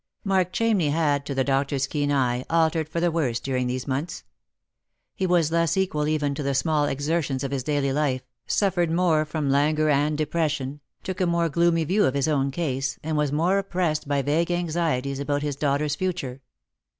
Mark Chamney had, to the doctor's keen eye, altered for the worse during these months. He was less equal even to the small exertions of his daily life, suffered more front langtwx fatd depression, took a more gloomy view of hia own case, and was more oppressed by vague anxieties about his daughter's future.